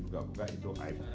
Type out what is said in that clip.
kalau dibuka buka itu aib